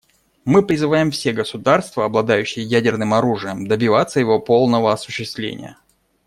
Мы призываем все государства, обладающие ядерным оружием, добиваться его полного осуществления.